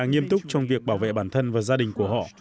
nghiêm túc trong việc bảo vệ bản thân và gia đình của họ